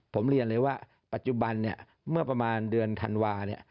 ผมเรียนเลยว่าปัจจุบันเมื่อประมาณเดือนธันวา